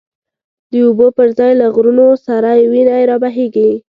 د اوبو پر ځای له غرونو، سری وینی را بهیږی